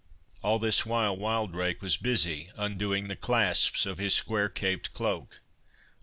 All this while, Wildrake was busied undoing the clasps of his square caped cloak.